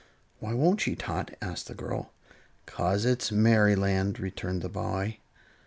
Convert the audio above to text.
"Why won't she, Tot?" asked the girl. "'Cause it's Merryland," returned the boy.